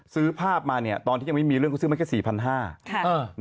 ซื้อภาพมานี้ตอนยังไม่มีเรื่องเค้าซื้อมาแค่๔๕๐๐